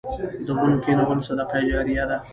د ونو کینول صدقه جاریه ده